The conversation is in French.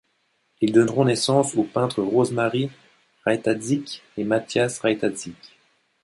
Ils donneront naissance aux peintres Rosemarie Rataiczyk et Matthias Rataiczyk.